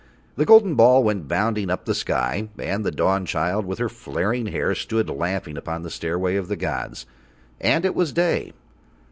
The golden ball went bounding up the sky, and the Dawnchild with her flaring hair stood laughing upon the stairway of the gods, and it was day.